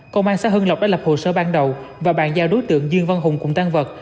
công an xã hưng lộc đã lập hồ sơ ban đầu và bàn giao đối tượng dương văn hùng cùng tan vật